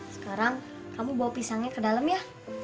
sekarang kamu bawa pisangnya ke dalam ya